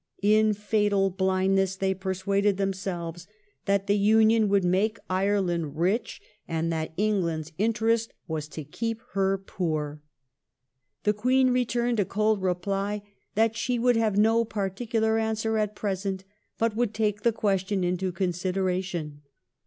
In fatal blindness they persuaded themselves that the Union would make Ireland rich 1703 THE QUEEN'S REPLY. 211 and that England's interest was to keep her poor. The Queen returned a cold reply " that she would give no particular answer at present, but would take the request into consideration."